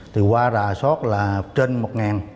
thì hoa rà xót là trên một ngàn